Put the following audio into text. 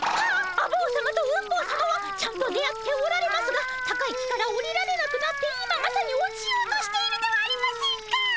あ坊さまとうん坊さまはちゃんと出会っておられますが高い木から下りられなくなって今まさに落ちようとしているではありませんか！